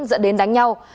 dẫn đến đánh nhau